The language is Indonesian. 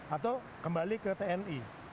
atau kembali ke tni